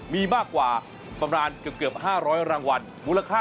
มีมากกว่าเกือบ๕๐๐รางวัล